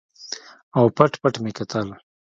او پټ پټ مې کتل.